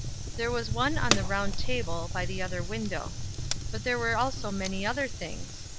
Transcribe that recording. There was one on the round table, by the other window; but there were also many other things.